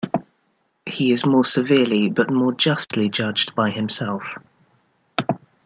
He is more severely but more justly judged by himself.